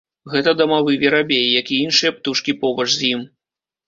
Гэта дамавы верабей, як і іншыя птушкі побач з ім.